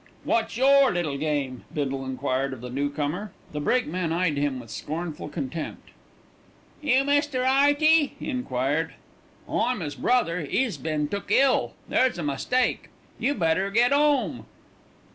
"What's your little game?" Bindle enquired of the newcomer. The brakeman eyed him with scornful contempt. "You Mr. 'Earty?" he enquired. "I'm 'is brother; 'e's been took ill. There's a mistake. You better get 'ome."